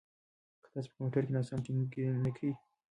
که تاسي په کمپیوټر کې ناسم تڼۍ کېکاږئ نو سیسټم شاید بند شي.